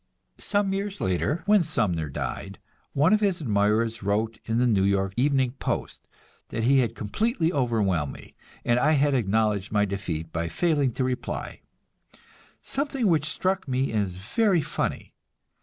Some years later, when Sumner died, one of his admirers wrote in the New York "Evening Post" that he had completely overwhelmed me, and I had acknowledged my defeat by failing to reply something which struck me as very funny.